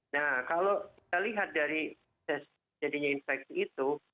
nah kalau kita lihat dari jadinya infeksi itu